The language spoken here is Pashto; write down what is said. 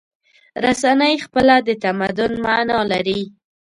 رسنۍ خپله د تمدن معنی لري.